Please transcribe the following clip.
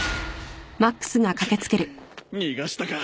くっ逃がしたか。